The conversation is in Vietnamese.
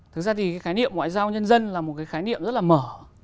thực ra thì cái khái niệm ngoại giao nhân dân là một cái khái niệm rất là mở